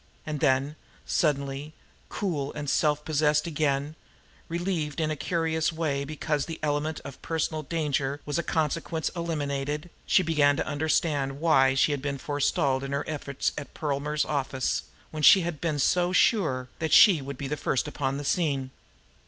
And then, suddenly cool and self possessed again, relieved in a curious way because the element of personal danger was as a consequence eliminated, she began to understand why she had been forestalled in her efforts at Perlmer's office when she had been so sure that she would be first upon the scene.